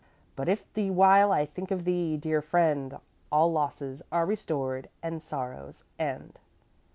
But if the while I think of thee, dear friend! All losses are restored and sorrows end.'"